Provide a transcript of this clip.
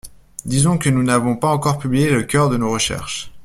Disons que nous n’avons pas encore publié le cœur de nos recherches